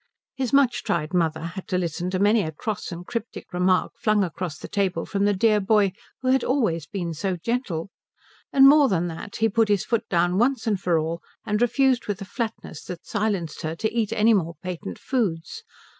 His much tried mother had to listen to many a cross and cryptic remark flung across the table from the dear boy who had always been so gentle; and more than that, he put his foot down once and for all and refused with a flatness that silenced her to eat any more patent foods.